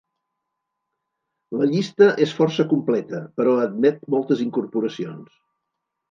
La llista és força completa, però admet moltes incorporacions.